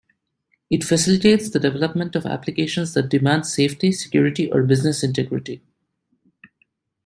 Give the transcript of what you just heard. It facilitates the development of applications that demand safety, security, or business integrity.